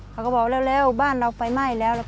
เขาก็บอกเร็วบ้านเราไฟไหม้แล้ว